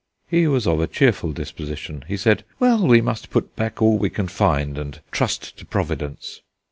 He was of a cheerful disposition. He said: "Well, we must put back all we can find, and trust to Providence."